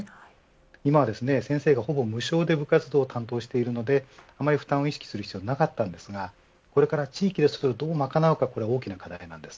今は先生がほぼ無償で部活動を担当しているのであまり負担を意識する必要はなかったんですがこれから地域で、どう賄うかが大きな課題です。